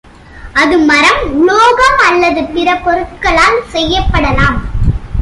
அது மரம், உலோகம் அல்லது பிற பொருட்களால் செய்யப்படலாம்.